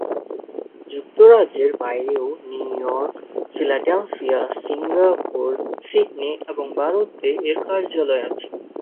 যুক্তরাজ্যের বাইরেও New York, Philadelphia, Singapore, Sydney এবং ভারতে এর কার্যালয় আছে।